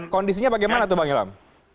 kondisinya bagaimana tuh bang ilham